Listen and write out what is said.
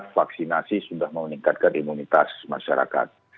vaksinasi sudah meningkatkan imunitas masyarakat